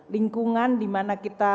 lingkungan dimana kita